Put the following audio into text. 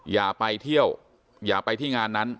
อย่าไปเที่ยวอย่าไปที่งานนั้น